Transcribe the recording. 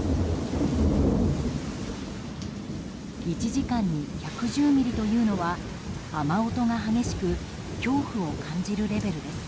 １時間に１１０ミリというのは雨音が激しく恐怖を感じるレベルです。